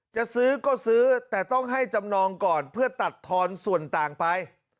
จะซื้อก็ซื้อแต่ต้องให้จำนองก่อนเพื่อตัดทอนส่วนต่างไป